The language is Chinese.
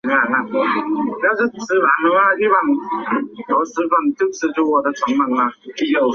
降眉肌是人体其中一块肌肉。